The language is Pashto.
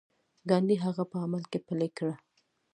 ګاندي هغه په عمل کې پلي کړه.